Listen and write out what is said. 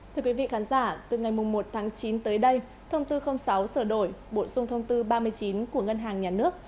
thưa quý vị khán giả từ ngày một tháng chín tới đây thông tư sáu sửa đổi bổ sung thông tư ba mươi chín của ngân hàng nhà nước